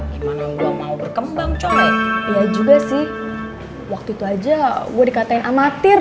gimana gua mau berkembang coy iya juga sih waktu itu aja gua dikatain amatir